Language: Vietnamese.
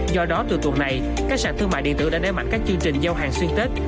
do đó từ tuần này các sản thương mại điện tử đã né mạnh các chương trình giao hàng xuyên tết